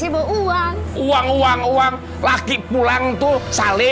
ya tapi saya comunicasi dulu pak